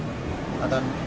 tutor adalah hammong